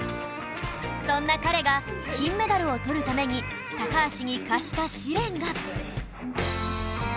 そんな彼が金メダルをとるために高橋に課した試練が